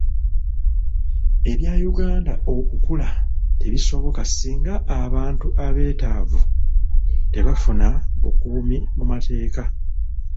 Ebya Uganda okukula tebisoboka singa abantu abeetaavu tebafuna bukuumi mu mateeka.